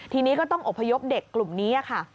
ทีนี้ก็ต้องอบพยพเด็กกลุ่มนี้ค่ะ